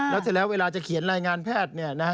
แล้วเสร็จแล้วเวลาจะเขียนรายงานแพทย์